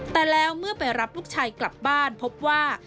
แต่แล้วเมื่อไปรับลูกชายกลับบ้านพบว่า